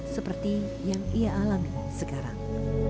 seperti yang ia alami sekarang